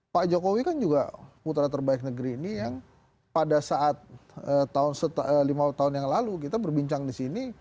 pak jokowi kan juga putra terbaik negeri ini yang pada saat lima tahun yang lalu kita berbincang di sini